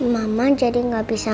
mama jadi gak bisa